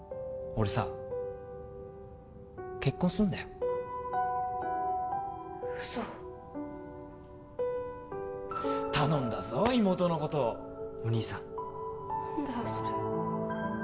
俺さ結婚すんだよウソ頼んだぞ妹のことお兄さん何だよそれ